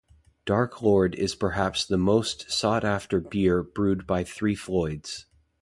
Dark Lord is perhaps the most sought-after beer brewed by Three Floyds.